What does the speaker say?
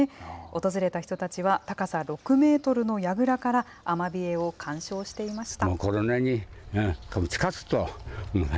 訪れた人たちは高さ６メートルのやぐらからアマビエを鑑賞していました。